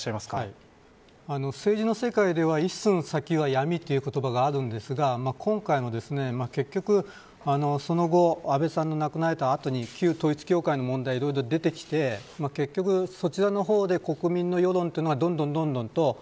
政治の世界では一寸先は闇という言葉があるんですが今回も結局、その後安倍さんが亡くなられたあとに旧統一教会の問題がいろいろ出てきて結局そちらのほうで国民の世論がどんどんと。